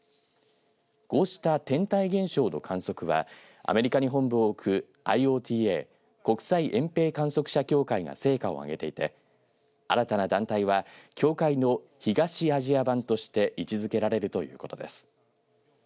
こうした天体現象の観測はアメリカに本部を置くＩＯＴＡ、国際掩蔽観測者協会が成果を上げていて新たな団体は協会の東アジア版として位置づけられるということです。